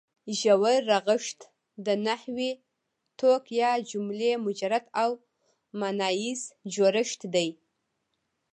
ژور رغښت د نحوي توک یا جملې مجرد او ماناییز جوړښت دی.